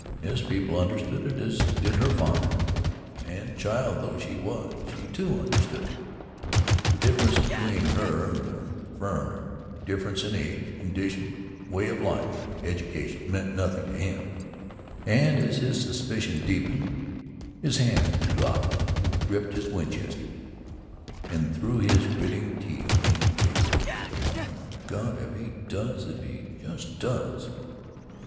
His people understood it as did her father, and, child though she was, she, too, understood it. The difference between her and the "furriner" difference in age, condition, way of life, education meant nothing to him, and as his suspicion deepened, his hands dropped and gripped his Winchester, and through his gritting teeth came vaguely: "By God, if he does if he just does!"